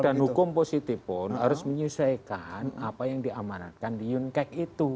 dan hukum positif pun harus menyelesaikan apa yang diamanatkan di yunkek itu